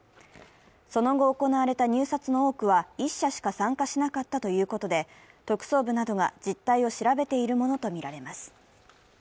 その後行われた入札の多くは１社しか参加しなかったということで特捜部などが実態を調べているものとみられます。